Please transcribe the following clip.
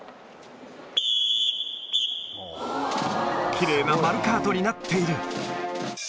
きれいなマルカートになっている。